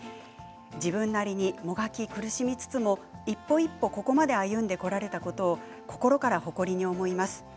自分なりに、もがき苦しみつつも一歩一歩ここまで歩んでこられたことを心から誇りに思います。